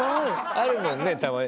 あるもんねたまに。